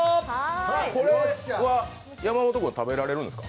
これは山本君は食べられるんですか？